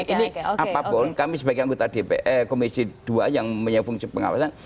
ini apapun kami sebagai anggota komisi dua yang punya fungsi pengawasan